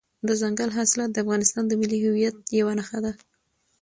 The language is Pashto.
دځنګل حاصلات د افغانستان د ملي هویت یوه نښه ده.